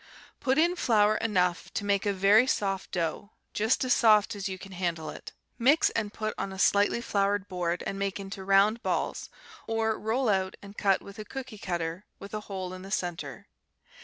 Put in flour enough to make a very soft dough, just as soft as you can handle it. Mix, and put on a slightly floured board and make into round balls, or roll out and cut with a cooky cutter with a hole in the centre.